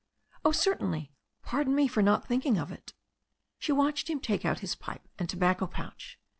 "Oh, certainly. Pardon me for not thinking of it." She watched him take out his pipe and tobacco pouch.